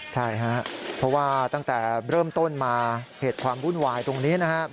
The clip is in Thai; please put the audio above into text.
ใช่ครับเพราะว่าตั้งแต่เริ่มต้นมาเหตุความวุ่นวายตรงนี้นะครับ